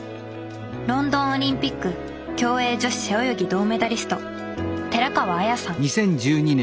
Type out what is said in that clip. ロンドンオリンピック競泳女子背泳ぎ銅メダリスト寺川綾さん。